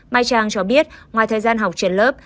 mai trang cho biết ngoài thời gian học trên lớp